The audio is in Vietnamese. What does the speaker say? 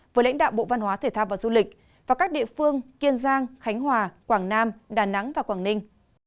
với lãnh đạo bộ văn hóa thể thao và du lịch và các địa phương kiên giang khánh hòa quảng nam đà nẵng và quảng ninh